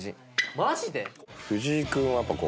マジで？